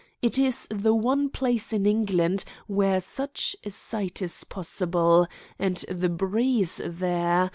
It is the one place in England where such a sight is possible. And the breeze there!